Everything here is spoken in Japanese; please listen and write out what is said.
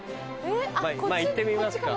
まぁ行ってみますか。